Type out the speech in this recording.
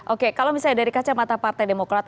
oke kalau misalnya dari kacamata partai demokrat